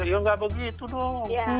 ya tidak begitu dong